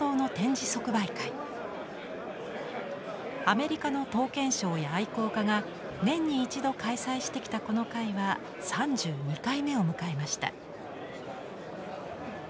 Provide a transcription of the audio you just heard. アメリカの刀剣商や愛好家が年に一度開催してきたこの会は３２回目を迎えました。